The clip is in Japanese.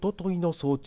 早朝